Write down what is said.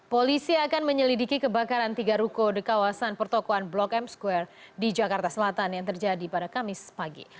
polisi akan menyelidiki kebakaran tiga ruko di kawasan pertokoan blok m square di jakarta selatan yang terjadi pada kamis pagi